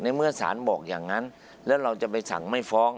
เมื่อสารบอกอย่างนั้นแล้วเราจะไปสั่งไม่ฟ้อง